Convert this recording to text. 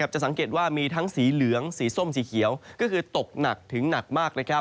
จะสังเกตว่ามีทั้งสีเหลืองสีส้มสีเขียวก็คือตกหนักถึงหนักมาก